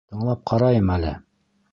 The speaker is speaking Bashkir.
Тыңлап ҡарайым әле.